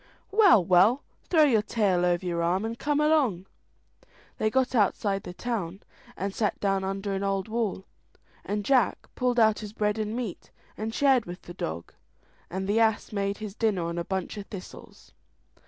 "Well, well, throw your tail over your arm, and come along." They got outside the town, and sat down under an old wall, and Jack pulled out his bread and meat, and shared with the dog; and the ass made his dinner on a bunch of thistles.